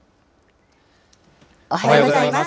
おはようございます。